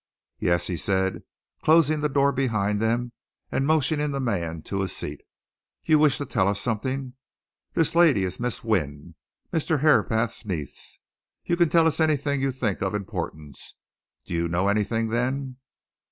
"Yes?" he said, closing the door behind them and motioning the man to a seat. "You wish to tell us something! This lady is Miss Wynne Mr. Herapath's niece. You can tell us anything you think of importance. Do you know anything, then?"